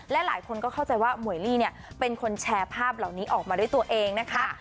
และหลายคนก็เข้าใจว่าหมวยลี่เนี่ยเป็นคนแชร์ภาพเหล่านี้ออกมาด้วยตัวเองนะคะ